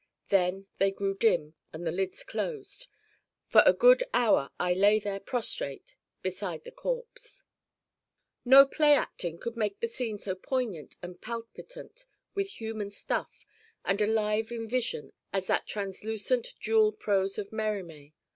Then they grew dim and the lids closed. For a good hour I lay there prostrate beside the corpse.' No play acting could make the scene so pregnant and palpitant with human stuff and alive in vision as that translucent jewel prose of Mérimée.